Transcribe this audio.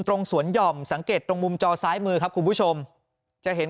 ตรงสวนหย่อมสังเกตตรงมุมจอซ้ายมือครับคุณผู้ชมจะเห็น